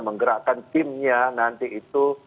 menggerakkan timnya nanti itu